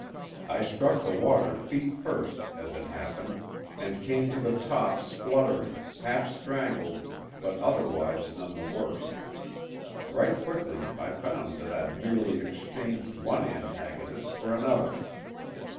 I struck the water feet first, as it happened, and came to the top spluttering, half strangled, but otherwise none the worse. Right quickly I found that I'd merely exchanged one antagonist for another.